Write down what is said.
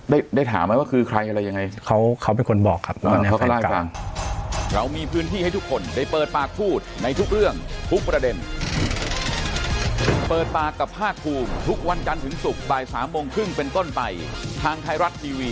ได้ได้ถามไหมว่าคือใครอะไรยังไงเขาเขาเป็นคนบอกครับ